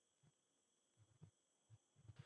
由获胜团队优先选择要对阵的对手。